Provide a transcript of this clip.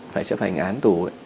phải chấp hành án tù